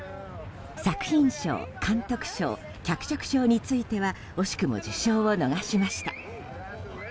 作品賞、監督賞脚色賞については惜しくも受賞を逃しました。